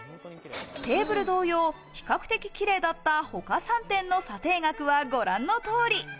テーブル同様、比較的綺麗だった他３点の査定額は、ご覧の通り。